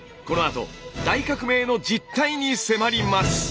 このあと大革命の実態に迫ります！